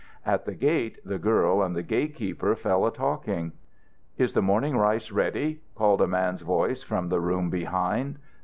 At the gate the girl and the gate keeper fell a talking. "Is the morning rice ready?" called a man's voice from the room behind.